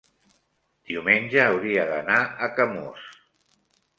diumenge hauria d'anar a Camós.